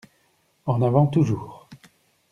En avant toujours